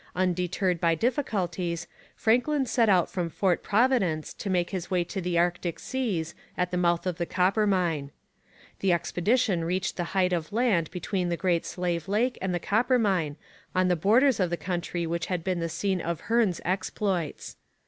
Undeterred by difficulties, Franklin set out from Fort Providence to make his way to the Arctic seas at the mouth of the Coppermine. The expedition reached the height of land between the Great Slave Lake and the Coppermine, on the borders of the country which had been the scene of Hearne's exploits.